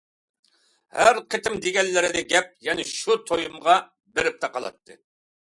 ھەر قېتىم دېگەنلىرىدە گەپ يەنە شۇ تويۇمغا بېرىپ تاقىلاتتى.